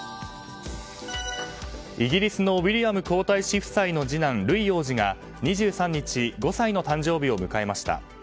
イギリスのウィリアム皇太子夫妻の次男ルイ王子が２３日５歳の誕生日を迎えました。